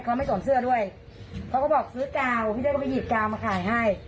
เขาไม่สวมเสื้อด้วยเขาก็บอกซื้อกาวพี่เต้ก็ไปหยิบกาวมาขายให้